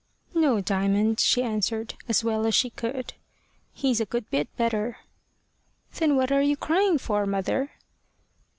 "No, Diamond," she answered, as well as she could; "he's a good bit better." "Then what are you crying for, mother?"